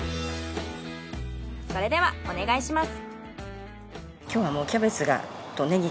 それではお願いします。